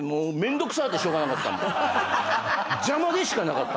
邪魔でしかなかったもん。